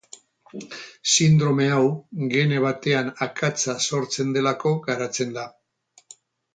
Sindrome hau gene batean akatsa sortzen delako garatzen da.